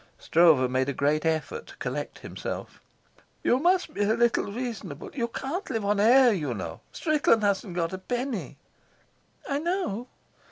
Stroeve made a great effort to collect himself. "You must be a little reasonable. You can't live on air, you know. Strickland hasn't got a penny." "I know."